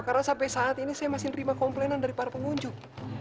karena sampai saat ini saya masih menerima komplainan dari para pengunjung